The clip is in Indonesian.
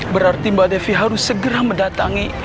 berarti mbak devi harus segera mendatangi